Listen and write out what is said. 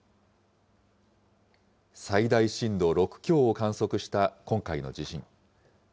最大震度６強を観測した今回の地震。